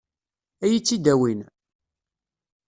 Ad iyi-tt-id-awin?